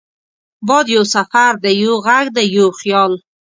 باد یو سفر دی، یو غږ دی، یو خیال